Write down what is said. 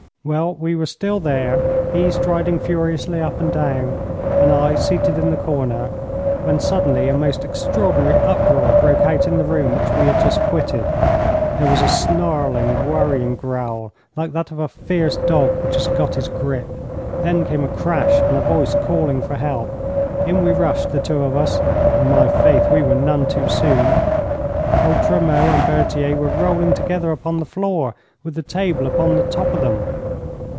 Well, we were still there, he striding furiously up and down, and I seated in the corner, when suddenly a most extraordinary uproar broke out in the room which we had just quitted. There was a snarling, worrying growl, like that of a fierce dog which has got his grip. Then came a crash and a voice calling for help. In we rushed, the two of us, and, my faith, we were none too soon. Old Tremeau and Berthier were rolling together upon the floor, with the table upon the top of them.